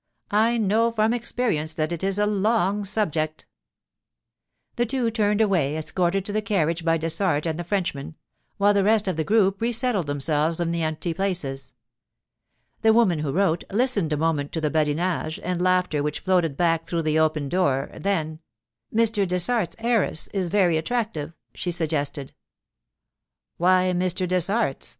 I know from experience that it is a long subject.' The two turned away, escorted to the carriage by Dessart and the Frenchman, while the rest of the group resettled themselves in the empty places. The woman who wrote listened a moment to the badinage and laughter which floated back through the open door; then, 'Mr. Dessart's heiress is very attractive,' she suggested. 'Why Mr. Dessart's?